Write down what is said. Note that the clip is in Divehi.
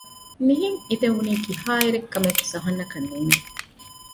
މިހެން އިދެވުނީ ކިހާ އިރެއް ކަމެއްވެސް އަހަންނަކަށް ނޭގެ